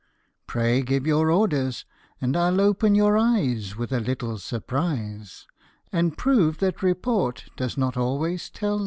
" Pray give your orders, And I '11 open your eyes with a little surprise, And prove that report does not always tell lies."